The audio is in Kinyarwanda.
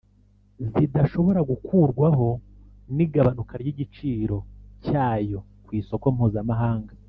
zidashobora gukurwaho n’igabanuka ry’igiciro cyayo ku isoko mpuzamahanga